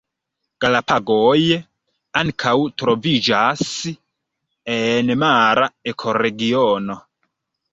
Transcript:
Galapagoj ankaŭ troviĝas en mara ekoregiono.